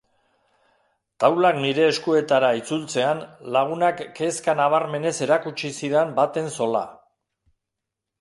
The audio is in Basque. Taulak nire eskuetara itzultzean, lagunak kezka nabarmenez erakutsi zidan baten zola.